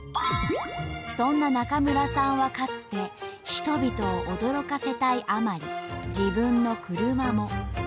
そんな中村さんはかつて人々を驚かせたいあまり自分の車も。